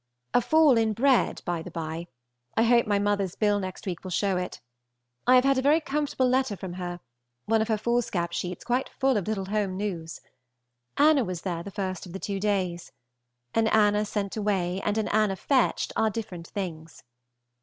A fall in bread by the by. I hope my mother's bill next week will show it. I have had a very comfortable letter from her, one of her foolscap sheets quite full of little home news. Anna was there the first of the two days. An Anna sent away and an Anna fetched are different things.